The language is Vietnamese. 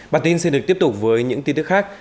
bản tin sẽ được tiếp tục với những tin tức khác